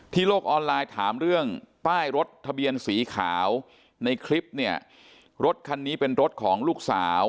โลกออนไลน์ถามเรื่องป้ายรถทะเบียนสีขาวในคลิปเนี่ยรถคันนี้เป็นรถของลูกสาว